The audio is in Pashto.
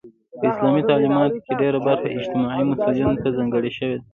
په اسلامي تعلیماتو کې ډيره برخه اجتماعي مسئولیتونو ته ځانګړې شوی ده.